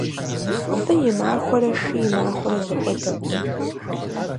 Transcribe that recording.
ЛӀы и махуэрэ шы и махуэрэ зэхуэдэкъым.